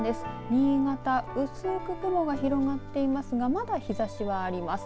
新潟薄く雲が広がっていますがまだ、日ざしはあります。